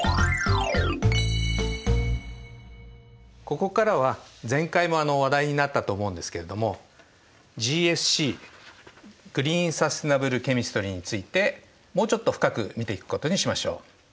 ここからは前回も話題になったと思うんですけれどもＧＳＣグリーン・サステイナブルケミストリーについてもうちょっと深く見ていくことにしましょう。